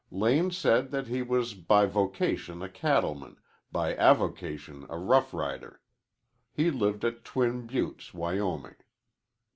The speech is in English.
Lane said that he was by vocation a cattleman, by avocation a rough rider. He lived at Twin Buttes, Wyoming.